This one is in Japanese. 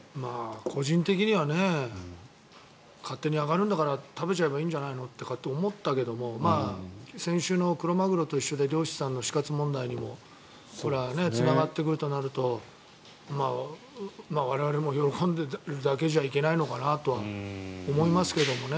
個人的には勝手に揚がるんだから食べちゃえばいいんじゃないのって思ったけど先週のクロマグロと一緒で漁師さんの死活問題にもつながってくるとなると我々も喜んでいるだけじゃいけないのかなと思いますけどもね。